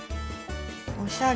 おしゃれ。